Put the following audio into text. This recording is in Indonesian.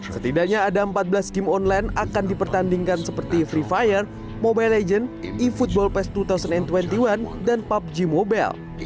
setidaknya ada empat belas game online akan dipertandingkan seperti free fire mobile legends e football pass dua ribu dua puluh satu dan pubg mobile